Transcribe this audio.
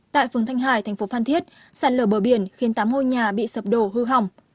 tại phường thanh hải thành phố phan thiết sạt lở bờ biển khiến tám ngôi nhà bị sập đổ hư hỏng